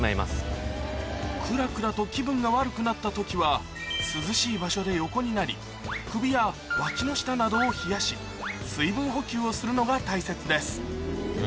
クラクラと気分が悪くなった時は涼しい場所で横になり首やわきの下などを冷やし水分補給をするのが大切です。